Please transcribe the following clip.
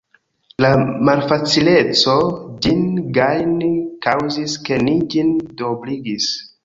La malfacileco ĝin gajni kaŭzis, ke ni ĝin duobligis.